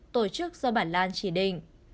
tổ chức do bản lan chỉ định